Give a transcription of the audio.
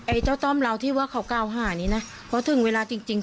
ไอ้เจ้าต้อมเราที่ว่าเขา๙๕นี้นะเพราะถึงเวลาจริง